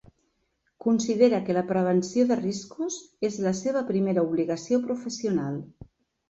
Considera que la prevenció de riscos és la seva primera obligació professional.